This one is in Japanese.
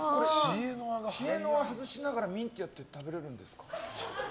知恵の輪外しながらミンティアって食べれるんですか。